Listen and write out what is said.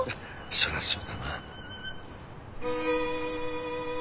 そりゃそうだな。